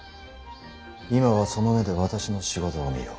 今はその目で私の仕事を見よ。